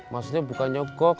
maksudnya bukan nyogok